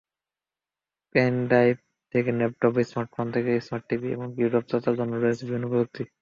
Pen drive থেকে laptop, smartphone থেকে smart টিভি—এমনকি রূপচর্চার জন্যও আছে প্রযুক্তিপণ্য।